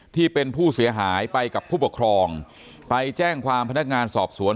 ที่เป็นผู้เสียหายไปกับผู้ปกครองไปแจ้งความพนักงานสอบสวน